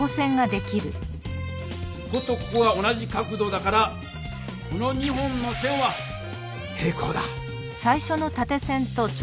こことここは同じ角度だからこの２本の線は平行だ。